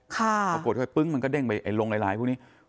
ค่ะปึ๊งมันก็เด้งไปไอ้ลงลายพวกนี้